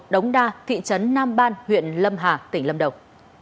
đống đa thị trấn nam ban huyện lâm hà tỉnh lâm đồng